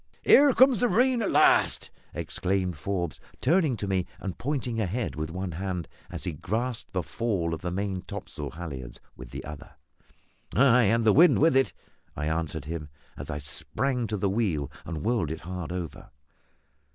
"Here comes the rain, at last!" exclaimed Forbes, turning to me and pointing ahead with one hand, as he grasped the fall of the main topsail halliards with the other. "Ay, and the wind with it," I answered him, as I sprang to the wheel and whirled it hard over.